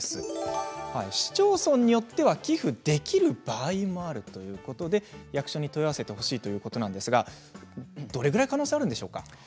市町村によっては寄付できる場合もあるということで役所に問い合わせてほしいということなんですがどれくらい可能性があるんでしょうか。